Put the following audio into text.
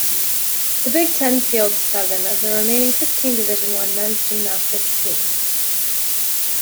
The Big Ten fields seven of the remaining fifteen Division One men's gymnastics teams.